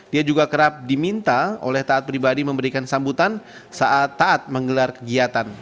dia juga kerap diminta oleh taat pribadi memberikan sambutan saat taat menggelar kegiatan